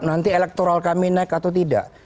nanti elektoral kami naik atau tidak